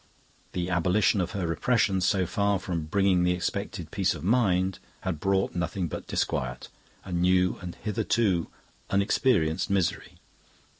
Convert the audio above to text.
The abolition of her repressions, so far from bringing the expected peace of mind, had brought nothing but disquiet, a new and hitherto unexperienced misery.